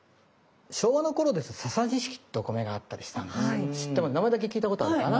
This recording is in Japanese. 昭和の頃ですとササニシキってお米があったりしたんですけど知って名前だけ聞いたことあるかな？